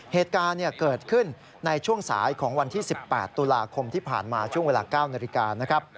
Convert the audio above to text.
เหตุการณ์เกิดขึ้นในช่วงสายของวันที่๑๘ตุลาคมที่ผ่านมาช่วงเวลา๙นาฬิกานะครับ